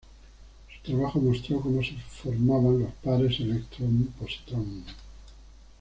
Su trabajo mostró como se formaban los pares electrón-positrón.